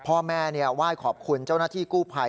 พ่อแม่ไหว้ขอบคุณเจ้าหน้าที่กู้ภัย